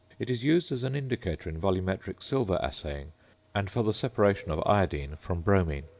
It is used as an indicator in volumetric silver assaying, and for the separation of iodine from bromine.